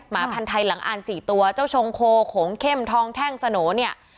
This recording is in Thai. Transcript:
หมาพันธ์ไทยหลังอ่าน๔ตัวเจ้าชงโคโขงเข้มทองแท่งสโหนเนี่ย